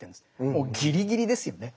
もうギリギリですよね。